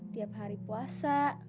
tiap hari puasa